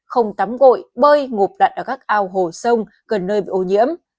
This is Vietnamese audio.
không tắm gội bơi ngộp đặn ở các ao hồ sông gần nơi bị ô nhiễm